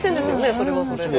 それはそれで。